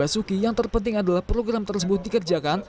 basuki yang terpenting adalah program tersebut dikerjakan